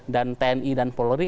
dan tni dan paul ri